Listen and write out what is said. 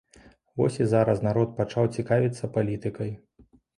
Вось і зараз народ пачаў цікавіцца палітыкай.